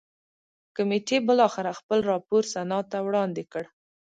کمېټې بالاخره خپل راپور سنا ته وړاندې کړ.